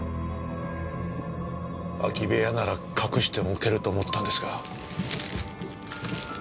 空き部屋なら隠しておけると思ったんですが。